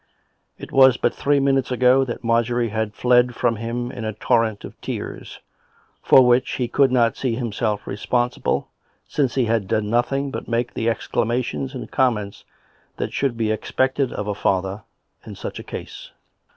It was but three minutes ago that Marjorie had fled from him in a torrent of tears, for which he could not see himself responsible, since he had done nothing but make the exclamations and comments that should be expected of a father in such a case.